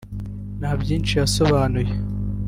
nta byinshi yasobanuye